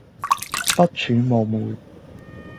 不揣冒昧